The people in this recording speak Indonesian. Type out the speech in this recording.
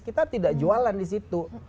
kita tidak jualan di situ